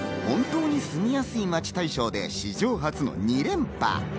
本当に住みやすい街大賞で史上初の２連覇。